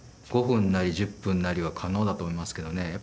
５分なり１０分なりは可能だと思いますけどね